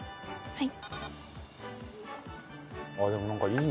はい。